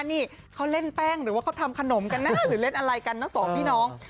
นี่เขาเล่นแป้งหรือว่าเขาทำขนมกันนะหรือเล่นอะไรกันนะสองพี่น้อง